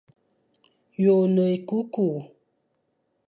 Yô e ne ékukur.